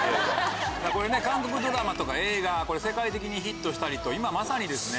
韓国ドラマとか映画世界的にヒットしたりと今まさにですね。